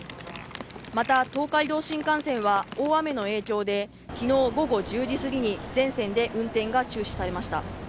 また、東海道新幹線は大雨の影響で昨日午後１０時すぎに全線で運転が中止されました。